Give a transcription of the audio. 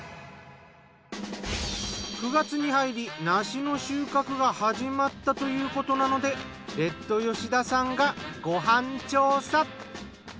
９月に入り梨の収穫が始まったということなのでレッド吉田さんがご飯調査。